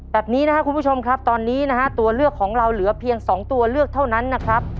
แบบนี้นะครับคุณผู้ชมครับตอนนี้นะฮะตัวเลือกของเราเหลือเพียง๒ตัวเลือกเท่านั้นนะครับ